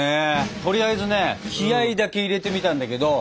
とりあえずね気合いだけ入れてみたんだけど。